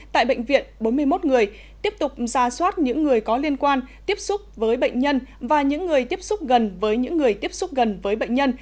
tại bệnh viện bốn mươi một người tiếp tục ra soát những người có liên quan tiếp xúc với bệnh nhân và những người tiếp xúc gần với những người tiếp xúc gần với bệnh nhân